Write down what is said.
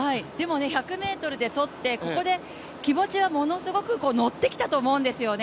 １００ｍで取って、ここで気持ちはものすごくのってきたと思うんですよね。